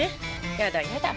やだやだ。